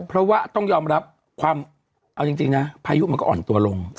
เพราะว่าต้องยอมรับความเอาจริงนะพายุมันก็อ่อนตัวลง